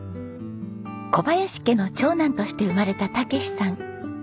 小林家の長男として生まれた武史さん。